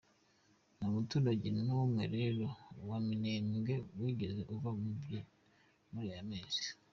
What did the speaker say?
Nta muturage n’umwe rero wa Minembwe wigeze uva mubye muri aya mezi.